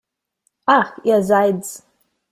Ach, ihr seid's!